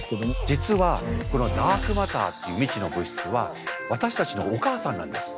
実はこのダークマターっていう未知の物質は私たちのお母さんなんです。